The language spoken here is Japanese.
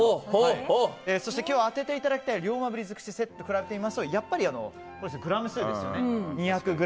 そして今日当てていただきたい龍馬鰤尽くしセットと比べますとやっぱり、グラム数が２００ｇ。